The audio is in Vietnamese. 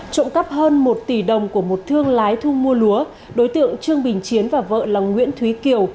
trộm cắp hơn một tỷ đồng của một thương lái thu mua lúa đối tượng trương bình chiến và vợ là nguyễn thúy kiều